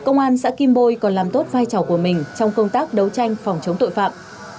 mà làm tốt vai trò của mình trong công tác đấu tranh phòng chống tội phạm